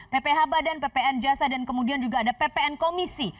pph badan ppn jasa dan kemudian juga ada ppn komisi